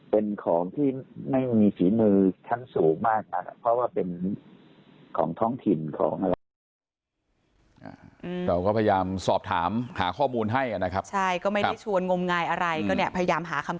เป็นของที่ไม่มีศีลมือชั้นสูงมาก